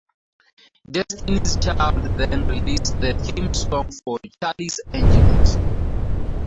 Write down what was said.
Destiny's Child then released the theme song for "Charlie's Angels".